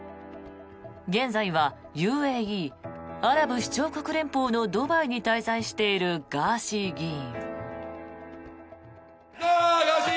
現在はＵＡＥ・アラブ首長国連邦のドバイに滞在しているガーシー議員。